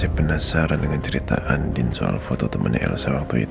saya penasaran dengan cerita andin soal foto temannya elsa waktu itu